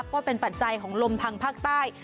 ก็เป็นปัจจัยของลมพังภาคใต้